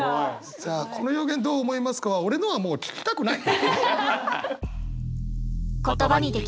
さあ「この表現どう思いますか」は俺のはもう聞きたくない。